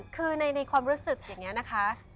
คือในความรู้สึกอย่างนี้นะคะ